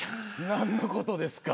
何のことですか？